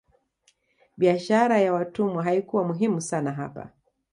Biashara ya watumwa haikuwa muhimu sana hapa